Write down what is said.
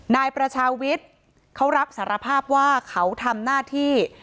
นายประชาวิทย์เขารับสารภาพว่าเขาทำหน้าที่